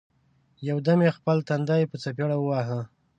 یو دم یې خپل تندی په څپېړه وواهه!